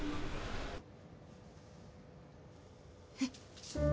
えっ！？